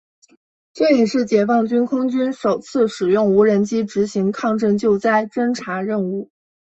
这也是解放军空军首次使用无人机执行抗震救灾侦察任务。